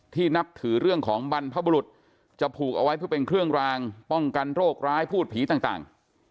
นับถือเรื่องของบรรพบุรุษจะผูกเอาไว้เพื่อเป็นเครื่องรางป้องกันโรคร้ายพูดผีต่าง